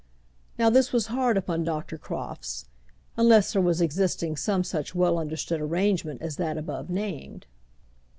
Now this was hard upon Dr. Crofts unless there was existing some such well understood arrangement as that above named.